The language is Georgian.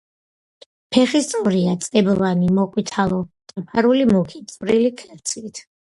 ფეხი სწორია, წიბოვანი, მოყვითალო, დაფარული მუქი წვრილი ქერცლით.